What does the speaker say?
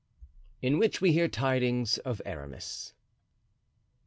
In which we hear Tidings of Aramis.